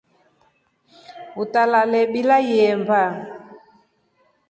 Utalale bila ihemba.